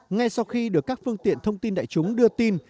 ngay sau khi được các phương tiện thông tin đại chúng đưa tin